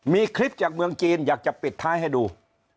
มีคลิปจากเมืองจีนอยากจะปิดท้ายให้ดู